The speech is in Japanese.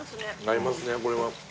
合いますねこれは。